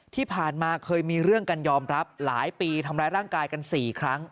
ที่ผ่านมาเคยมีเรื่องกันยอมรับหลายปีทำร้ายร่างกายกัน๔ครั้ง